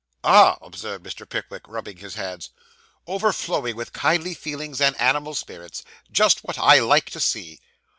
'Ah!' observed Mr. Pickwick, rubbing his hands, 'overflowing with kindly feelings and animal spirits. Just what I like to see.